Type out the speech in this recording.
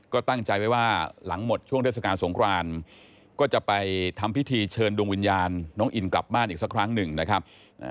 ก็ตั้งใจไว้ว่าหลังหมดช่วงเทศกาลสงครานก็จะไปทำพิธีเชิญดวงวิญญาณน้องอินกลับบ้านอีกสักครั้งหนึ่งนะครับ